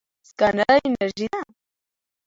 سکاره انرژي ده.